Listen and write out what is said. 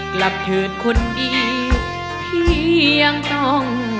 กลับเถิดคนดีพี่ยังต้องการ